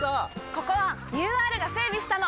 ここはＵＲが整備したの！